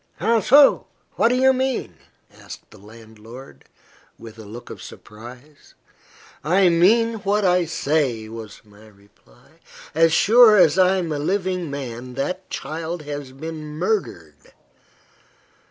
"How so? What do you mean?" asked the landlord, with a look of surprise. "I mean what I say," was my reply. "As sure as I am a living man, that child has been murdered."